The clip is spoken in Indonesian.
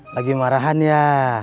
lagi marahan ya